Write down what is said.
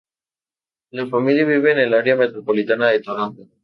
La familia vive en el área metropolitana de Toronto.